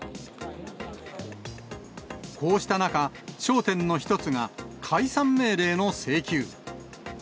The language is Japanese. こうした中、焦点の一つが、解散命令の請求。